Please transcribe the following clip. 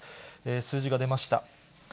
数字が出ました。